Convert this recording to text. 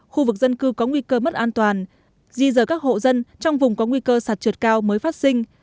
khu vực dân cư có nguy cơ mất an toàn di dờ các hộ dân trong vùng có nguy cơ sạt trượt cao mới phát sinh